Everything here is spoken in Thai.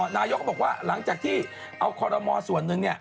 นายกก็บอกว่าหลังจากที่เอาคอรมอส่วนหนึ่ง